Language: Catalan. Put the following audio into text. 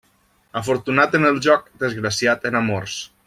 Afortunat en el joc, desgraciat en amors.